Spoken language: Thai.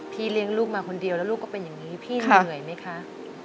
เลี้ยงลูกมาคนเดียวแล้วลูกก็เป็นอย่างนี้พี่เหนื่อยไหมคะ